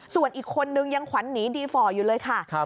ส่วนอีกคนนึงยังขวัญหนีดีฟอร์อยู่เลยค่ะ